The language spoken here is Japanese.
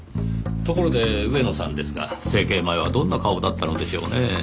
ところで上野さんですが整形前はどんな顔だったのでしょうねぇ。